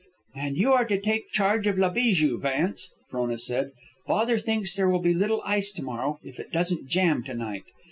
"And you are to take charge of La Bijou, Vance," Frona said. "Father thinks there will be little ice to morrow if it doesn't jam to night.